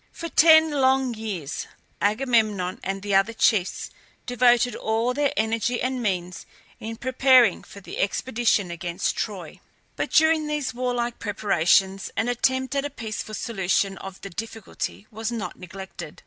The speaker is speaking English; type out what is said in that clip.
For ten long years Agamemnon and the other chiefs devoted all their energy and means in preparing for the expedition against Troy. But during these warlike preparations an attempt at a peaceful solution of the difficulty was not neglected.